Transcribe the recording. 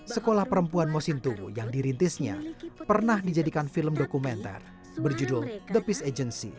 sekolah perempuan mosintowo yang dirintisnya pernah dijadikan film dokumenter berjudul the peace agency